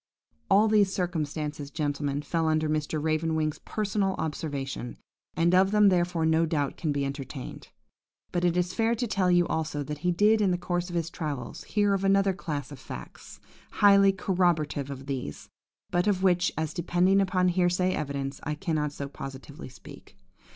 "All these circumstances, gentlemen, fell under Mr. Raven wing's personal observation, and of them, therefore, no doubt can be entertained. But it is fair to tell you also that he did, in the course of his travels, hear of another class of facts, highly corroborative of these, but of which, as depending upon hearsay evidence, I cannot so positively speak.